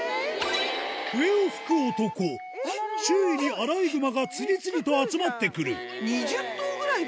笛を吹く男周囲にアライグマが次々と集まってくる２０頭ぐらいいるよ。